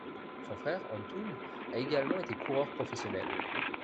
Son frère Antoon a également été coureur professionnel.